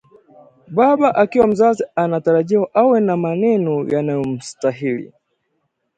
Baba akiwa mzazi anatarajiwa awe na maneno yanayomstahili